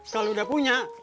kalo udah punya